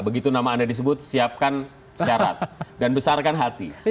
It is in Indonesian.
begitu nama anda disebut siapkan syarat dan besarkan hati